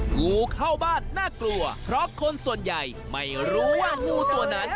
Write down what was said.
งูเข้าบ้านน่ากลัวเพราะคนส่วนใหญ่ไม่รู้ว่างูตัวนั้น